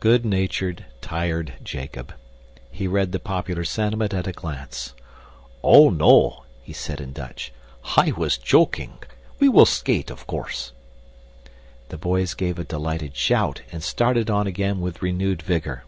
Good natured, tired Jacob! He read the popular sentiment at a glance. "Oh, no," he said in Dutch. "I was joking. We will skate, of course." The boys gave a delighted shout and started on again with renewed vigor.